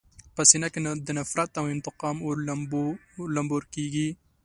په سینه کې د نفرت او انتقام اور لمبور کېږي.